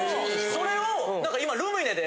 それを今ルミネで。